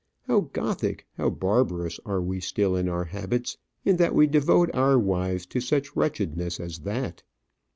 How Gothic, how barbarous are we still in our habits, in that we devote our wives to such wretchedness as that!